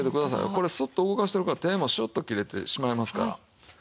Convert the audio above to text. これスッと動かしてるから手もシュッと切れてしまいますから。